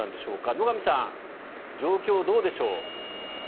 野上さん、状況はどうでしょう？